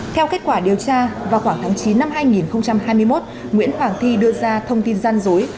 theo kết quả điều tra vào khoảng tháng chín năm hai nghìn hai mươi một nguyễn hoàng thi đưa ra thông tin gian dối